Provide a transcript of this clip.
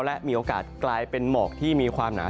และมีโอกาสกลายเป็นหมอกที่มีความหนา